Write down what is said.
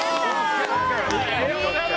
すごい！